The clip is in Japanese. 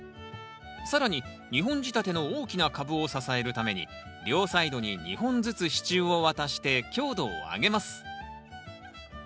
更に２本仕立ての大きな株を支えるために両サイドに２本ずつ支柱を渡して強度を上げます。